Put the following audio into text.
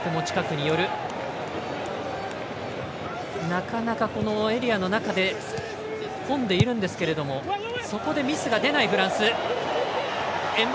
なかなかエリアの中で混んでいるんですけれどもそこでミスが出ないフランス。